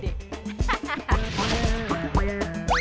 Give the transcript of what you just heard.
ah ayah punya ide